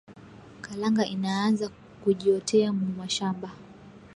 Kalanga inaaza kujioteya mumashamba